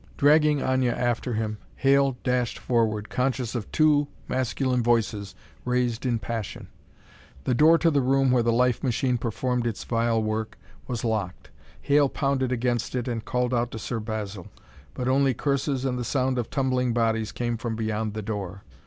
Dragging Aña after him, Hale dashed forward, conscious of two masculine voices raised in passion. The door to the room where the life machine performed its vile work was locked. Hale pounded against it and called out to Sir Basil, but only curses and the sound of tumbling bodies came from beyond the door.